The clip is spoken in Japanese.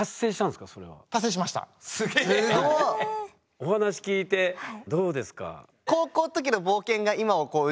お話聞いてどうですか？